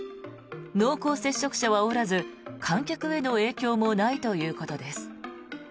濃厚接触者はおらず観客への影響もないということです。